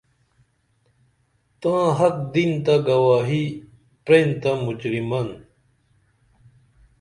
تاں حق دین تہ گواہی پرین تہ مُجریمن